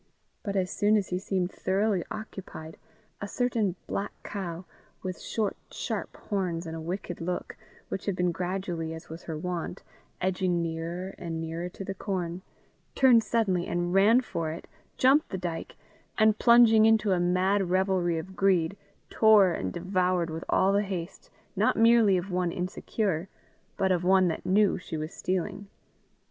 But as soon as he seemed thoroughly occupied, a certain black cow, with short sharp horns and a wicked look, which had been gradually, as was her wont, edging nearer and nearer to the corn, turned suddenly and ran for it, jumped the dyke, and plunging into a mad revelry of greed, tore and devoured with all the haste not merely of one insecure, but of one that knew she was stealing.